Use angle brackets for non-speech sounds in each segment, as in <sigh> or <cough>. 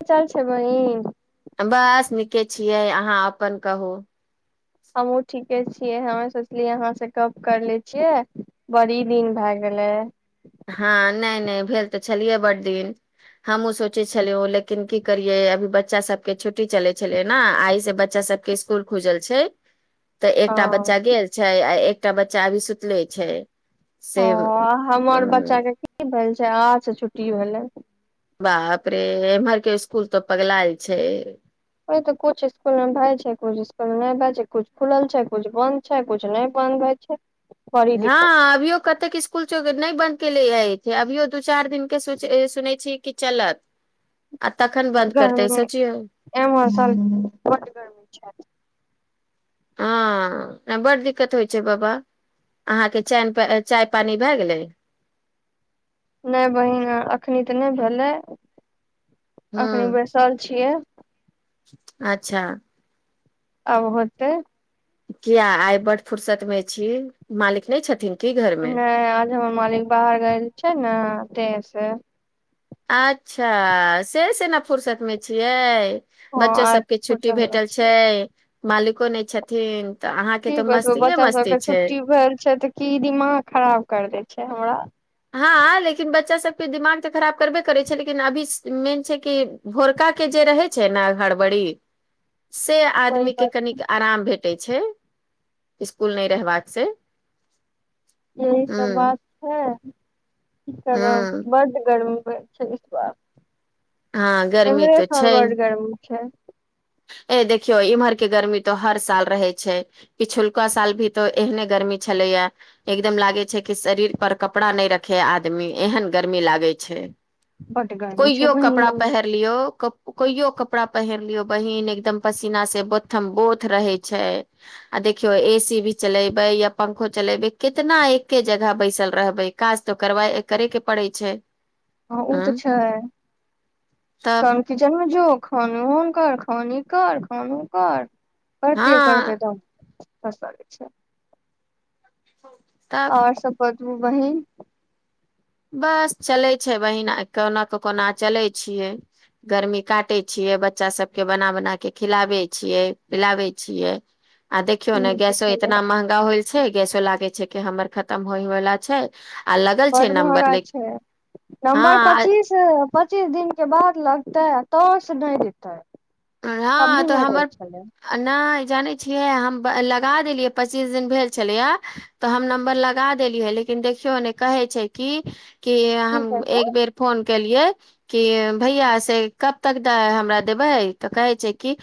क चल छै बहिन के छियै अहाँ अपन कहू हमहूँ ठीके छियै हमे सोचलियै अहाँ सेकप कर ले छियै बड़ी दिन भए गेलै हँ नहि नहि भेल तऽ छलियै बड़ दिन हमहूँ सोचै छलियहु लेकिन की करियै अभी बच्चा सभके छुट्टी चलै छलै ने आ एहिसँ बच्चा सभके इसकुल खुजल छै तऽ हँ एकटा बच्चा गेल छै आ एक एकटा बच्चा अभी सुतले छै से तर बच्चा की भेल अचा अच्छा छुट्टियो भेलै बाह अपरे एमर के स्कूल तऽ पगला छै ओहि तऽ कु इसकुलमे भए छै कु इसकुलमे नहि भए छै कुछ खुलल छै कु बंन्द छै कुछु नहि बंन्द भए छै बड़ी दिक्कत छै हँ अभियो कतेक स्कुल नहि बनत के ले अछि अभियो दू चार दिन के सुनै छी कि चलत आ तखन बंद करतै गरमी सोचियौ एमे स ब गरमी छै हँ बड्ड दिक्कत होइ छै बाबा अहाँके च चाय पानि भए गेलै नहि बहीन एखन तऽ नहि भेलै अखनी हूं बैसल छियै अच्छा आबतऽ किया आइ बड फुरसत मे छी मालिक नहि छथिन की घर मे नहि आज हमर मालिक बाहर गेल छै ने तेश से अच्छा से सेना फुरर्सत मे छियै हँ बच्चो आज सबके फुरसत छुट्टी मे भेटल छै छियै मालिको नहि छथिन तऽ अहाँके की तऽ बतबै मस्तीए बच्चा मस्ती सबके छै छुट्टी भेल छै तऽ की दिमाग खराब कर दे छै छै हमरा हँ लेकिन बच्चा सभके दिमाग तऽ खराब करबे करै छै लेकिन अभी मेन छै कि भोरकाके जे रहै छै ने हड़बड़ी से कोइ आदमी के बात कनिक आराम भेट इसकुल नहि रहबाक से यह सब ह बात छै क करब ह बड गर्म छस ब हँ गर्मी एमे तो छै सल वर्ड गरम छै ए देखियौ इम्हर के गर्मी तो हर साल रहै छै पिछुलका साल भी तो एहने गर्मी छलैया एकदम लागे छै कि शरीर पर कपड़ा नहि रखे आदमी एहन गर्मी लागे छै बड गर्मी छै कोइयो कपड़ा बहिन पहिर लियौ कोइो कप कपड़ा पहनलियऔ बहिन एकदम पसीना से बोथम बोथ रहे छै आ देखियो ए सी भी चलेबे या पंखो चलेबे कितना एके जगह बैसल रहबे काज तो करा करे के पड़े छै हँ ओ ह तऽ तब छै किचन मे जो खान हों कार खन कर खान ह कर करते करते हँ त ागत छै तब आओर सबप तू बहीन बस चलै छै बहहिन कोना कऽ कोना चलै छियै गर्मी काटै छियै बच्चा सभके बना बना कऽ खिलाबै छियै पिलाबै छियै आ देखियौ ई ने जे गैसो छलै इतना महंगा होइ ैसो लागे छै हमर खतम होय वला छै आ लगल छै ब् नम्बर महगा लेकिन छै नम्बर हँ पच्चीस पच्चीस दिन के बाद लगता है तौर से नहि दता है हँ तऽ हमर नहि जानै छियै हम लगा देलियै पच्चीस दिन भेल छलै हा तऽ हम नम्बर लगा देलियै लेकिन देखियौ ने कहै छै कि क की हम कहै छै एक बेर फोन केलिये कि भैया से कब तक हमरा देबै तऽ कहै छै कि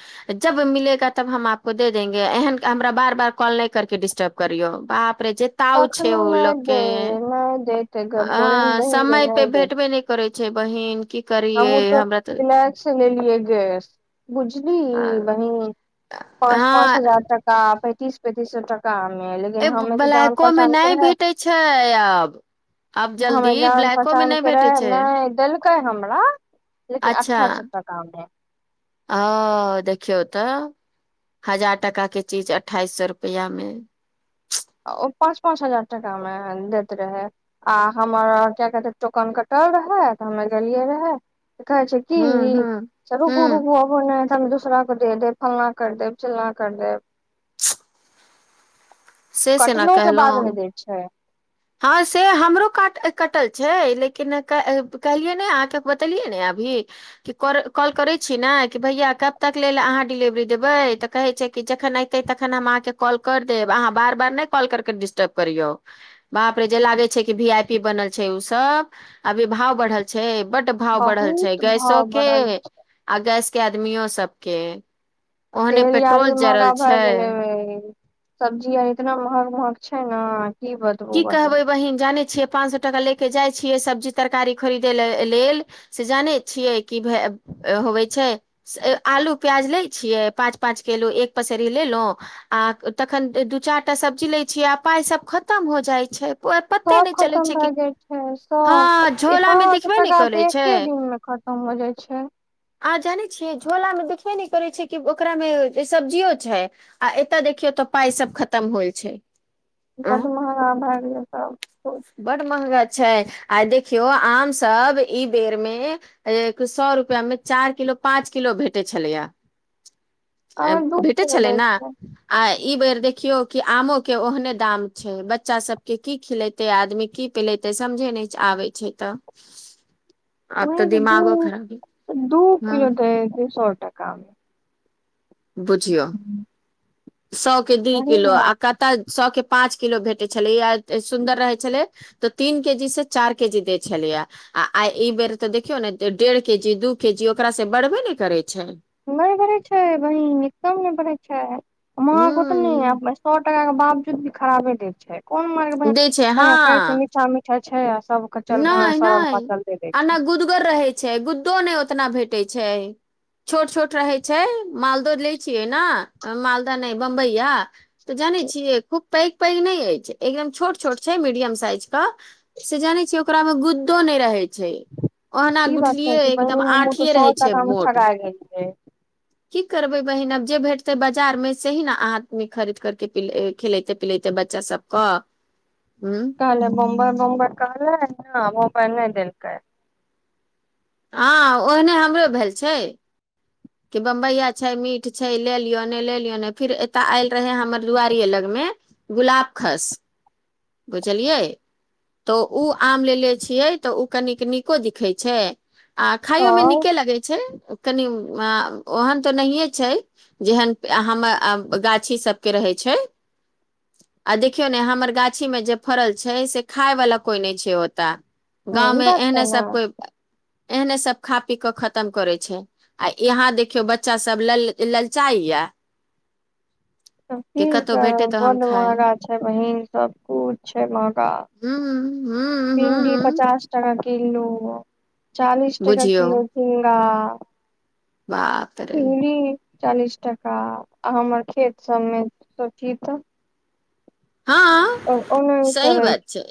जब मिलेगा तब हम आपको दे देंगे एहन हमरा बार बार कॉल नहि करके डिस्टर्ब करियौ बाप अपे जे ताव छै तखनो ओ नहि दे लोकके नहि देते बोले ने ह बहिन समय पे भेटबे नहि को करै छै बहिन की हमू करियै त हमरा तऽ बििल ल द गस बुझली वही पाँच पाँच हँ हजार तका पैंतीस पति सए टा ए ब्लैकोमे नहि भेटैत छै आब आब हमे जल्दी ब्लैकोमे नहि भेटैत छै क हम लेकिन अठ्ठाइ सप्त काममे ह देखियौ तऽ हजार टाकाे चीज अठाइस सए रुपैआमे ओ पाँच पाँच हजार टाकामे दैत रहै आ हमर कए कहतै टोकन कटल रहै तऽ हमे गेलियै रहए देख कहै छै की हूं ई हूं सरू हूं गू रू भ अप ने दूसरा को दे देब फलना कर देब चिलना कर देब से से न कटलोके कहलहुँ बादमे दट छै हँ से हमरो कट कटल छै लेकिन कहलियै नहि अहाँकेँ बतेलियै ने अभी कि कॉल करैत छी ने कि भैया कब तक लै लेल अहाँ डिलेवरी देबै तऽ कहैत छै कि जखन अयतै तखन हम अहाँकेँ कॉल करि देब अहाँ बार बार नहि कॉल कर कऽ डिस्टर्ब करियौ बाप रे जे लागे छै कि भी आई पी बनल छै सब अभी भाव बढ़ल छै बट भाव बढ़ल छै बहुत गैसो भाव के बढ़ल आ गैस आदमियो सबके ओहने तेल आार भी पेट्रोल महगा जड़ल भए छै गेलै सब्जी आर इतना महग महग छै ने की कहबै बहिन जानै छियै पांच सए टका ले के जाय छियै सब्जी तरकारी खरीदे ल लेल से जाने छियै कि भ होवे छै आलू प्याज ले छियै पांच पांच केलो एक पसेरी लेलो आ तखन दू चार टा सब्जी ले छियै आ पााय सब ख खतम हो जाइ छै सभ खतम छै भए कि जाइ छै सभ हँ ई झोला मे पाँच सए देखबे नहि टाका करै तऽ छै एक्े दिनमे खतम हो जाइ छै े नहि करे छै कि ओकरा मे सब्जियो छै आ एतय देखियौ तऽ पााय सब खतम होल छै पठ मह हँ भागिय त बड़ महंगा छै आ देखियौ आम सब ई बेर मे सए रुपआ मे चार किलो पाँच किलो भेटै छलैया अ अहाँ दू भेटे किलो छलै दै ने छियै आइ ई बेर देखियो कि आमो के ओहने दाम छै बच्चा सब के की खिलेत ते आदमी की पिलेते समझे नहि आबै छै तऽ आब तऽ ओहू दिमागो खराब दूप हँ किलोतै सए कमे बुझौ सए के दी वही किलो न आ कत सए के पांच किलो भेटे छले सुन्दर रहे छले तऽ तीन के जी से चारि के जी देय छलियया आ आइ ई बेर तऽ देखियौ ने डेढ़ के जी दू के जी ओकरा से बढ़बे ने करे छै पड़ै छै वी निकम नहि पड़ै छै मह क त हूं ने सए टा बापजूद भी खराबे द छथि कोन मार ब दै हँ छै मीठा मिठाइ अच्छा नहि न छै आना गुदगर रहे छै गुद्दो नहि कितना भेटै छै छोट छोट रहै छै मालद लै छियै ने मालदाह नहि बम्बइया तऽ जानै छिय खूब पैघ पैघ नहि अछि एकदम छोट छोट छै मीडियम साइज तऽ से जानै ओकरा मे गुद्दो नहि रहै छै ओहना ई बात कहै गुठलियै छै एकदम बहिन हमहूँ तऽ आंठिए सौ रहै छै टका मे मोट की ठगा गेलियै की करबै बहिन आब जे भेटतै बाजारमे सेी ने अहाँ खरीद करके खिलते पिलैते बच्चा सबके ह <unintelligible> नहि मोबाईल नहि देलकै हँ ओहने हमरो भेल छै कि बम्बइया छै मीठ छै ले लियौ नहि ले लियौ नहि फेर एतय आयल रहै हमर दुआरिए लगमे गुलाबखस बुझलियै तऽ ओ आम लेलेे छियै तऽ ओ कनिक नीको दिखै छै आ खाइयोमे तब नीके लगै छै कनि ओहन तऽ नहिए छै जेहन हमर ऐं गाछी सबके रहे छै आ देखियौ ने हमर गाछी मे जे फड़ल छै से खाइ वला कोई नहि छै ओतऽ वही गाँवमे बात एहन छै सभ न कोइ एहने सब खा पी कऽ खतम करै छै आ एहाँ देखियौ बच्चा सब लल- ललचाइ या तब की करब बन खाइ बहरा छै बहीन सब कुछ छै हूं हूं भिंडी हूं पचास टका हेलो चालीस टका बुझियौ किलो घीउरा <unintelligible> बाप रे चालीस टाका आ हमर खेतसभमे सोचीह तऽ हाँ ओने सही सड़ै बात छै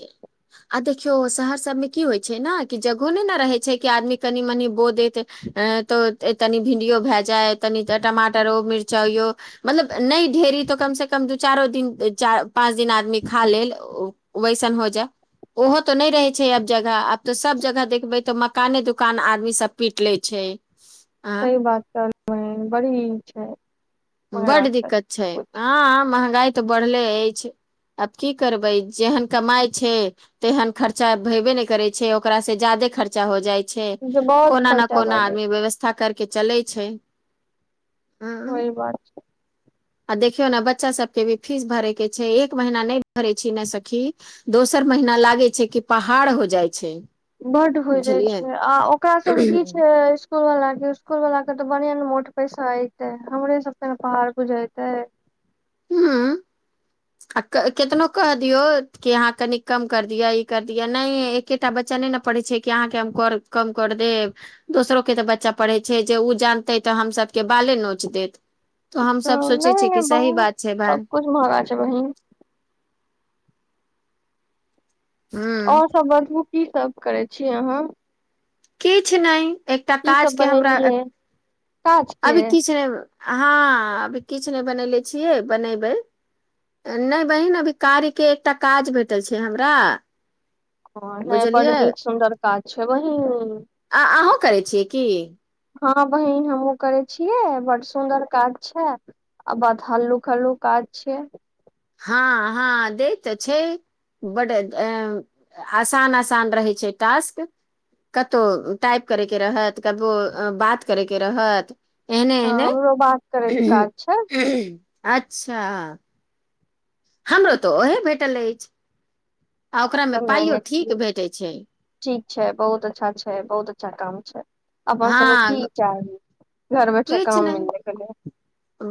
आ देख- देखियौ शहर सभमे की होइ छै न की जगहो नहि नै ने रहै छै की आदमी कनि मनि बोइ देत तऽ तनि भिंडीयो भए जाइत तनि टमाटरो मिरचाइयो मतलब नहि ढेरी तऽ कमसँ कम दू चारो दिन चार - -पाँंच दिन आदमी खा लेल वैसन हो जाइ ओहो तो नहि रहे छै आब जगह आब तऽ सब जगह देखबै तऽ मकाने दुकान आदमी सब पीट लै छै आँ सही बात कहलूँ हें बड़ी ई छै महंगा बड्ड दिक्कत छै कुछ अं हँ महँंगाई तऽ बढ़ले अछि आब की करबै जेहन कमाई छै तेहन खर्चा भेबे नहि करै छै ओकरा से ज्यादे खर्चा हो जाइ छै जे छै बहुत कोना न खर्चा भए कोना जाइ आदमी व्यवस्था कर के चलै छै हूं, उहि बात छै आ देखियौ न बच्चा सबके भी फीस भरै के छै एक महिना नहि भरै छी न सखी दोसर महीना लागे छै की पहाड़ हो जाइ छै बड्ड होइ जाइ बुझलियै छै आ ओकरा सबके की छै इस्कूल वला के इस्कुल वला तऽ बढ़िआं ने मोट पैसा ऐते हमरे सबके ने पहाड़ गुझेते ह्म आ केतनो क दियौ कि अहाँ कनि कम करि दिअ ई कर दिअ नहि एकेटा बच्चा नहि ने पढ़ै छै कि अहाँके हम कर कम कर देब दोसरोके तऽ बच्चा पढ़ै छै जे ओ जानतै तऽ हमसभके बाले नोच देत तऽ हम सब सोचे नहि छियै नहि कि सही बहुत बात छै भाय सबकुछ महगा छै बहिन हूँ आओर सब बतबु की सब करै छी अहाँ किछ नहि एकटा की काज सब के हमरा बनेलियै काज के अभी किछ नहि हँ अभी किछु नहि बननेे छियै बनेबै नहि बहिन अभी कार्यके एकटा काज भेटल छै हमरा ह ह बड़ बुझलियै नीक सुन्दर काज छै बहि आ अहूँ करै छियै की हँ बहन हमहुँ करे छियै बड सुन्दर काज छै आ बाद हल्लूक हल्लूक काज छियै हँ हँ दे तऽ छै बड आसान आसान रहै छै टास्क कतहु टाइप करे के रहत कतो बात करे के रहत एहने हँ एहने हमरो बात करैके काज छै अच्छा हमरो तऽ ओहे भेटल अछि आ तऽ ओकरामे नहि पाइयो नहि ठीक भेटैत छै ठीक छै बहुत अच्छा छै बहुत अच्छा काम छै अपनना सब की हँ इ् चाहबी घर बच्चे किछु काम मिल नहि जा क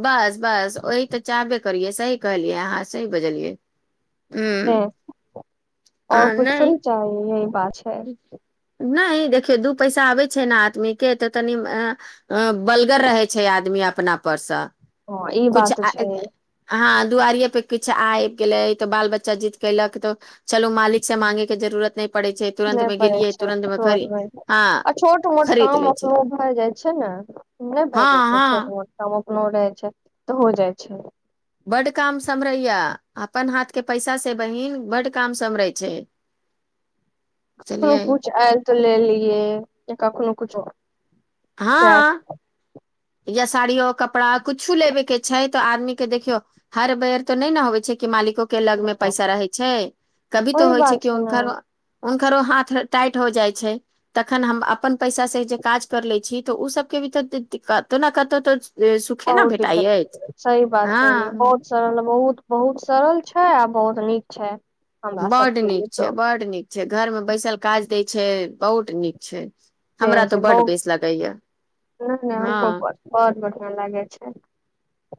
बस बस ओह तऽ चाहबे करियै सी कहलियै अहाँ सही बजलियै हूँ आ आओर कछ नहि तनी चाही य नहि देखियौ दू पैसा आबे छै ने आदमी के तऽ तनी बलगर रहे छै आदमी अपना परसँ हँ ई कछ बात तऽ छै हँ दुआरि पे किछु आब गेले तो बाल बच्चा जीत कलक तो चलू मालिक से मांगे के जरूुरत न पड़े नहि पड़ै छै हँ आ छोट मोट खरीद काम लै छै अपनो भए जाइत छै ने नहि भए हँ जाइत छै हँ छोट मोट काम रहै छै तऽ हो जाइ छै बड्ड काम समहरैया अपन हाथ के पैसा से बहिन बडड काम सम्हरै छै को बुझलियै कुछ आयल तऽ ले लियए कख न कु चु हँ या साड़ियो कपड़ा कुछो लेबे के छै तऽ आदमी के देखियौ हर बेर तो नहि ने होे छै कि मालिक के लग मे पैसा रहै छै कभी तो ओहि होइ छै बात कि ने हनकर उ खरो हाथ टाइट हो जाइ छै तखन हम अपन पैसा से जे काज कर ले छी तऽ ओ सब के भी तऽ दिक्कत तऽ नहि कतऽ तऽ बहुत दिक्कत अछि सही बात कहली हँ बहुत स बहुत बहुत सरल छै आ बहुत नीक छै हमरा बड सबके लिए नीक छै तऽ बड नीक छै घर में बैसल काज दय छै बहुत नीक छै से हमरा तऽ छै बड बहु बेस लगैया नहि नहि हँ हम ब लागे छै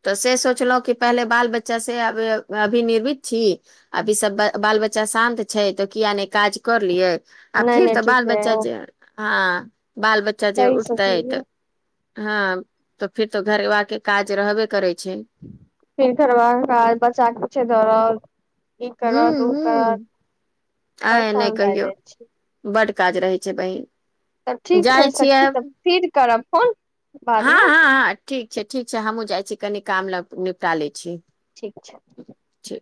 तऽ से सोचलहुँ कि पहिले बाल बच्चा से अभनिर्भित छी अभीसभ बाल बच्चा शान्त छै तऽ किया नहि काज कर लियै आ नहि फिर नहि तऽ ठीक बाल छै बच्चा जे हँ बाल बच्चा जे सही उठता हत सोचलियै हँ तऽ फिर तो घरबाे काज रहबे करै छै फर करबबाक काज ब चाक पीछे धरब ई करत ओ करत आ नहि परेशान भए कहियौ जाइ छी बड काज रहै छै तऽ बहिन ठीक छै जाइ छिय सखी तऽ फिर करब फोन ह बादमे ह ह ठीक छै ठ छै काम जाइ छी कनि काम ल निपटा ले छी ठीक छै छै